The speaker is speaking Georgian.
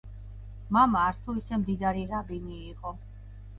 მამა არც თუ ისე მდიდარი რაბინი იყო.